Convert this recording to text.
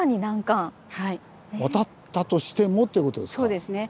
そうですね。